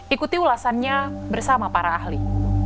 ikuti ulasannya bersama para ahli